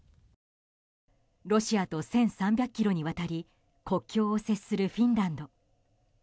ロシアと１３００ｋｍにわたり国境を接するフィンランド。